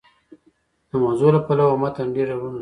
د موضوع له پلوه متن ډېر ډولونه لري.